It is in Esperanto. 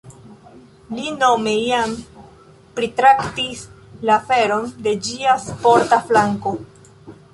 Li nome jam pritraktis la aferon de ĝia sporta flanko.